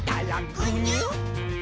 「ぐにゅっ！」